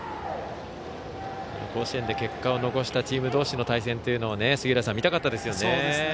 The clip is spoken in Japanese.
甲子園で結果を残したチームどうしの対戦というのを見たかったですよね。